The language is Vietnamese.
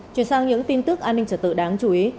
chuyển sang những tin tức an ninh trở tự đáng chú ý